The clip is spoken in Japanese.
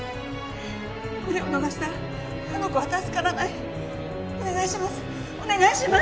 これを逃したらあの子は助からないお願いします